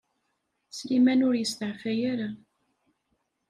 Sliman ur yesteɛfay ara.